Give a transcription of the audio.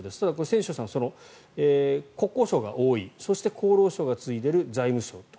千正さん、国交省が多いそして厚労省が次いでる財務省と。